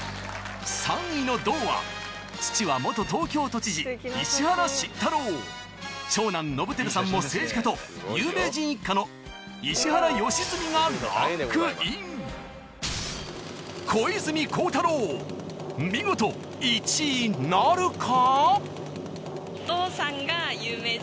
３位の銅は父は東京都知事石原慎太郎長男伸晃さんも政治家と有名人一家の小泉孝太郎見事１位なるか？